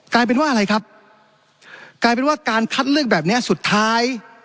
กลายเป็นว่าอะไรครับกลายเป็นว่าการคัดเลือกแบบเนี้ยสุดท้าย